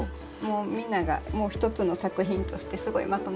みんなが一つの作品としてすごいまとまってますね。